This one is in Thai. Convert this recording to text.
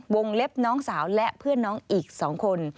เล็บน้องสาวและเพื่อนน้องอีก๒คน